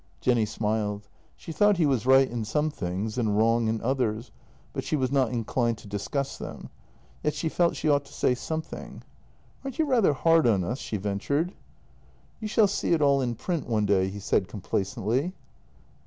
Jenny smiled. She thought he was right in some things and wrong in others, but she was not inclined to discuss them. Yet she felt she ought to say something: "Aren't you rather hard on us? " she ventured. i8o JENNY " You shall see it all in print one day," he said complacently.